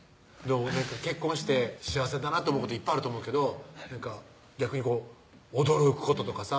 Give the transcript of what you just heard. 結婚して幸せだなって思うこといっぱいあると思うけど逆に驚くこととかさ